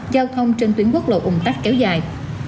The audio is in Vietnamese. giao thông trên tuyến quốc lộ ung tắc kéo dài